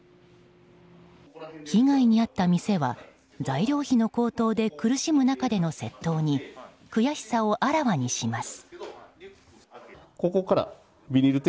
被害に遭った店は材料費の高騰で苦しむ中での窃盗に悔しさをあらわにします。